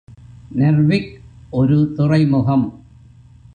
Narvik ஒரு துறைமுகம்.